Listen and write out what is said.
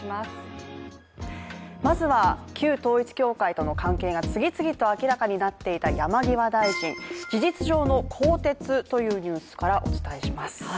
まずは、旧統一教会との関係が次々と明らかになっていた山際大臣、事実上の更迭というニュースからお伝えします。